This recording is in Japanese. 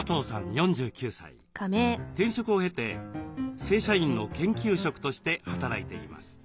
転職を経て正社員の研究職として働いています。